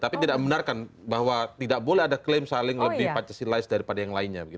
tapi tidak membenarkan bahwa tidak boleh ada klaim saling lebih pancasilais daripada yang lainnya